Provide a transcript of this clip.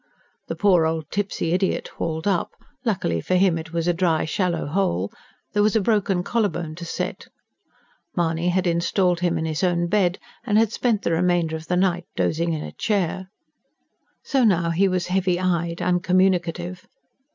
The poor old tipsy idiot hauled up luckily for him it was a dry, shallow hole there was a broken collar bone to set. Mahony had installed him in his own bed, and had spent the remainder of the night dozing in a chair. So now he was heavy eyed, uncommunicative.